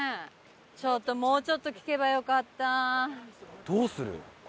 ちょっともうちょっと聞けばよかった。